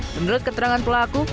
menurut keterangan pelaku